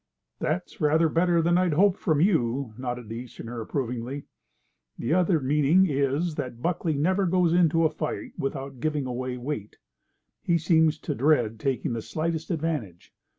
"That's rather better than I hoped from you," nodded the Easterner, approvingly. "The other meaning is that Buckley never goes into a fight without giving away weight. He seems to dread taking the slightest advantage.